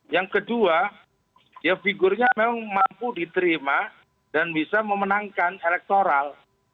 yang kedua ya figurnya memang mampu diterima dan bisa memenangkan elektoral